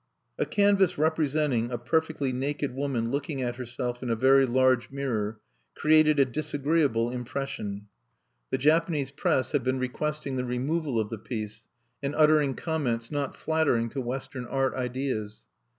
A canvas representing a perfectly naked woman looking at herself in a very large mirror created a disagreeable impression. The Japanese press had been requesting the removal of the piece, and uttering comments not flattering to Western art ideas.